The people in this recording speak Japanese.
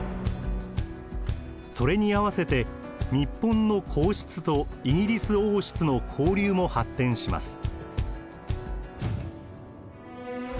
それに合わせて日本の皇室とイギリス王室の交流も発展します。